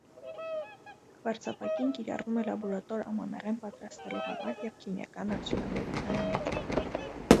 Քվարցապակին կիրառվում է լաբորատոր ամանեղեն պատրաստելու համար և քիմիական արդյունաբերության մեջ։